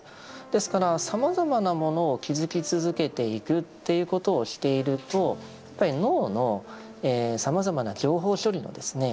ですからさまざまなものを気づき続けていくということをしているとやっぱり脳のさまざまな情報処理のですね